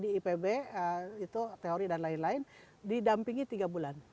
di ipb itu teori dan lain lain didampingi tiga bulan